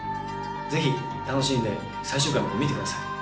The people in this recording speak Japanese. ぜひ楽しんで最終回まで見てください。